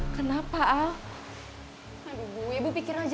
aku nggak mau ibu yang ambil